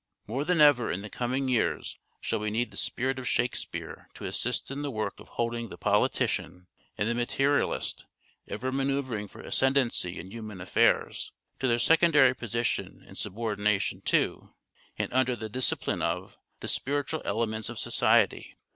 More than ever in the coming years shall we need the spirit of " Shakespeare " to assist in the work of holding the " politician " and the materialist, ever manoeuvring for ascendancy in human affairs, to their secondary position in subordination to, and under the discipline of, the spiritual elements of society.